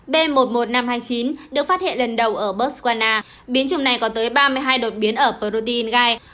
b một một năm trăm hai mươi chín được phát hiện lần đầu ở botswana biến chủng này có tới ba mươi hai đột biến ở protein gai